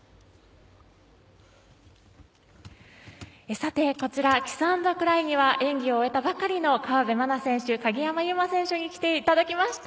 さて、こちらキスアンドクライには演技を終えたばかりの河辺愛菜選手、鍵山優真選手に来ていただきました。